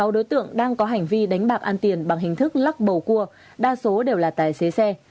sáu đối tượng đang có hành vi đánh bạc ăn tiền bằng hình thức lắc bầu cua đa số đều là tài xế xe